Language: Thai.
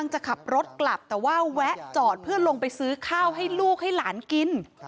หรือข้าวให้ลูกให้หลานกิน